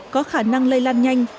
có khả năng lây lan nhanh